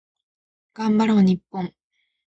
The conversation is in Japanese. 頑張ろう日本